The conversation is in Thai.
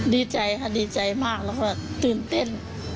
ดีใจค่ะดีใจมากแล้วก็ตื่นเต้น